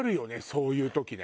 そういう時ね。